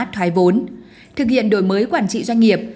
thoái vốn thực hiện đổi mới quản trị doanh nghiệp